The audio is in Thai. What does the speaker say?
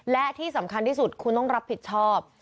และที่สำคัญที่สุดคุณต้องรับผิดชอบ